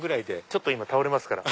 ちょっと今倒れますから。